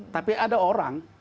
tapi ada orang